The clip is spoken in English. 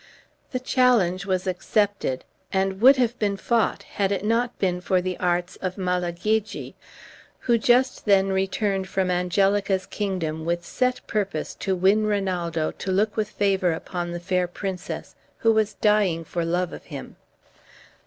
The challenge was accepted, and would have been fought had it not been for the arts of Malagigi, who just then returned from Angelica's kingdom with set purpose to win Rinaldo to look with favor upon the fair princess who was dying for love of him.